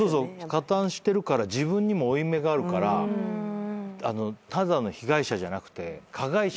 加担してるから自分にも負い目があるからただの被害者じゃなくて加害者になってるという。